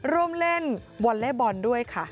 ร่วมเล่นวอลเล่บอลด้วยค่ะ